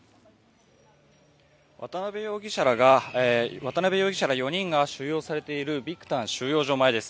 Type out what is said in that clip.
渡辺容疑者ら４人が収容されているビクタン収容所前です。